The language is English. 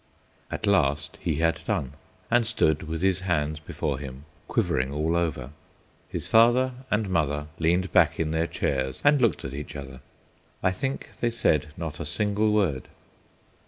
At last he had done, and stood with his hands before him, quivering all over. His father and mother leaned back in their chairs and looked at each other. I think they said not a single word.